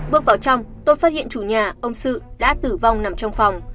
bước vào trong tôi phát hiện chủ nhà ông sự đã tử vong nằm trong phòng